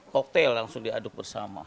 koktel langsung diaduk bersama